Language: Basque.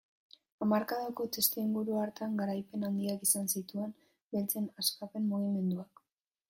Hamarkadako testuinguru hartan garaipen handiak izan zituen beltzen askapen mugimenduak.